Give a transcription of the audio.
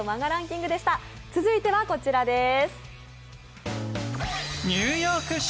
続いてはこちらです。